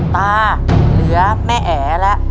ตาเหลือแม่แอ๋แล้ว